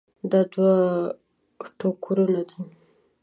دا دوه ټوکرونه دي.